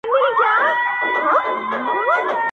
نه له پوندو د آسونو دوړي پورته دي اسمان ته٫